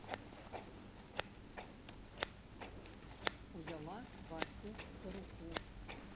Узяла бацьку за руку.